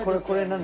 これ。